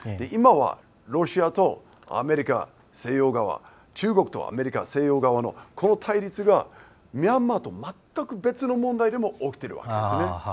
今はロシアとアメリカ、西洋側中国とアメリカ、西洋側のこの対立がミャンマーと全く違う問題でも起きているわけですね。